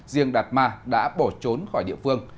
riêng đạt ma đã bỏ trốn khỏi địa phương